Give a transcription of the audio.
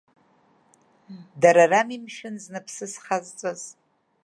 Дара рами, мшәан, зны аԥсы схазҵаз.